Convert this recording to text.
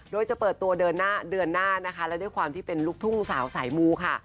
โดยจะเปิดตัวเดือนหน้านะคะและด้วยความที่เป็นลูกทุ่งสาวสายมูค่ะ